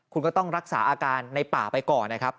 คุณก็ต้องรักษาอาการในป่าไปก่อนนะครับ